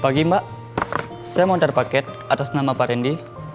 pagi mbak saya mau daftar paket atas nama pak randy